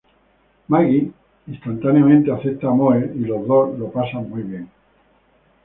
Maggie instantáneamente acepta a Moe, y los dos la pasan muy bien.